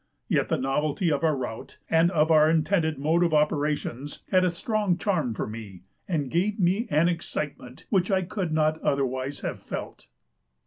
Yet the novelty of our route, and of our intended mode of operations, had a strong charm for me, and gave me an excitement which I could not otherwise have felt.